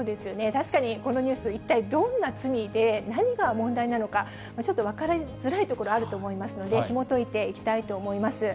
確かにこのニュース、一体どんな罪で、何が問題なのか、ちょっと分かりづらいところあると思いますので、ひもといていきたいと思います。